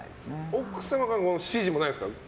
奥様から指示もないですか？